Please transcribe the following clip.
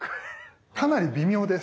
かなり微妙です。